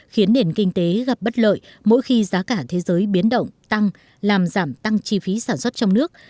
khiến nền kinh tế gặp bất lợi mỗi khi giá cả thế giới biến động tăng làm giảm tăng chi phí sản xuất trong nước